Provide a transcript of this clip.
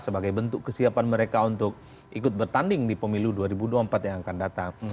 sebagai bentuk kesiapan mereka untuk ikut bertanding di pemilu dua ribu dua puluh empat yang akan datang